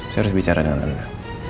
saya harus bicara dengan anda